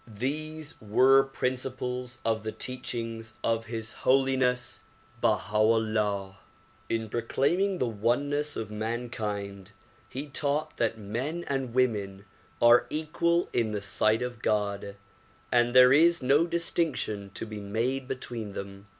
These were principles of the teachings of His Holiness Baha 'Ullah. In proclaiming the oneness of mankind, he taught that men and women are equal in the sight of God and there is no distinction to be made between them.